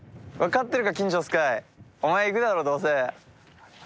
お前いくだろどうせ。